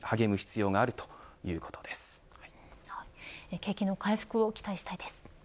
景気の回復を期待したいです。